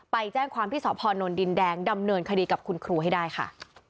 ไปแจ้งความที่สพนดินแดงดำเนินคดีกับคุณครูให้ได้ค่ะ